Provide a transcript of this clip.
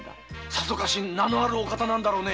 さぞかし名のあるお方なんだろうね。